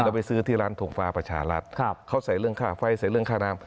แล้วไปซื้อที่ร้านทงฟ้าประชารัฐเขาใส่เรื่องค่าไฟใส่เรื่องค่าน้ำ